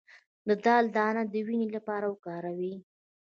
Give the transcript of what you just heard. د دال دانه د وینې لپاره وکاروئ